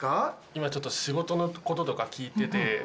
今ちょっと仕事のこととか聞いてて。